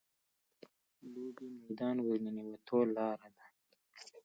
لوبې میدان ورننوتو لاره ده.